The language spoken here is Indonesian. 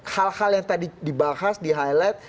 hal hal yang tadi dibahas di highlight